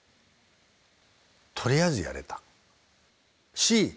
とりあえずやれたしま